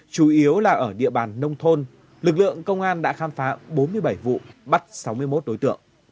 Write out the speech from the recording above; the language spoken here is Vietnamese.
chủ yếu là ở địa bàn nông thôn lực lượng công an đã khám phá bốn mươi bảy vụ bắt sáu mươi một đối tượng